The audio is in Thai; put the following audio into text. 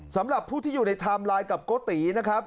สำหรับผู้ที่อยู่ในไทม์ไลน์กับโกตินะครับ